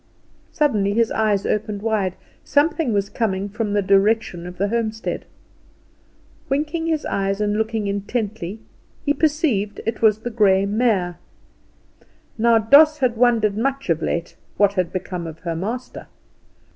Suddenly his eyes opened wide; something was coming from the direction of the homestead. Winking his eyes and looking intently, he perceived it was the grey mare. Now Doss had wondered much of late what had become of her master.